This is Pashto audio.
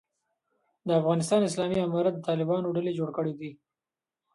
د افغانستان اسلامي امارت د طالبانو ډلې جوړ کړی دی.